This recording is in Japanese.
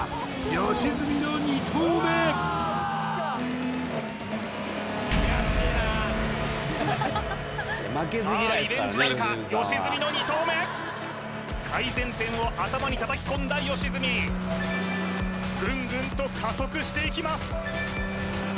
良純の２投目さあリベンジなるか良純の２投目改善点を頭に叩き込んだ良純グングンと加速していきます